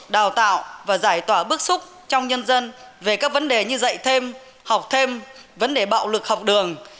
đào tạo và giải tỏa bức xúc trong nhân dân về các vấn đề như dạy thêm học thêm vấn đề bạo lực học đường